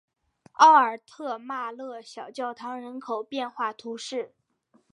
奥尔特马勒小教堂人口变化图示